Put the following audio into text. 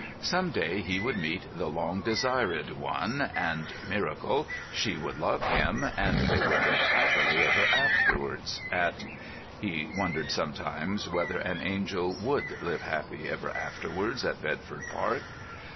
Some day he would meet the long desired one, and (miracle) she would love him, and they would live happy ever afterwards at—— He wondered sometimes whether an angel would live happy ever afterwards at Bedford Park.